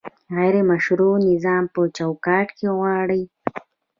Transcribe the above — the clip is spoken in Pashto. غیر مشروع نظام په چوکاټ کې غواړي؟